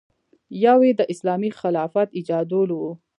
یو یې د اسلامي خلافت ایجادول و.